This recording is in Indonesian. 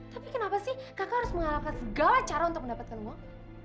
tapi kenapa sih kakak harus mengalahkan segala cara untuk mendapatkan uang